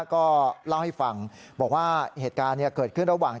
ก็เล่าให้ฟังบอกว่าเหตุการณ์เกิดขึ้นระหว่าง